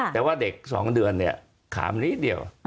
แต่ว่าเด็ก๒เดือนเนี่ยขามนิดเดียว